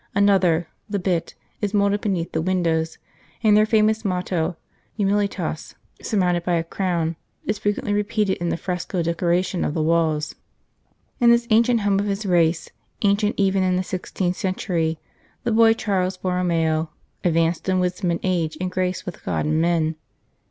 Another the Bit is moulded beneath the windows, and their famous motto, Humilitas, surmounted by a crown, is frequently repeated in the fresco decora tion of the walls. In this ancient home of his race, ancient even in 5 St. Charles Borromeo the sixteenth century, the boy Charles Borromeo " advanced in wisdom and age, and grace with God and men."